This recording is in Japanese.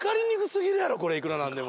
これいくら何でも。